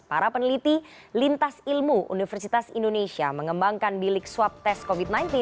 para peneliti lintas ilmu universitas indonesia mengembangkan bilik swab tes covid sembilan belas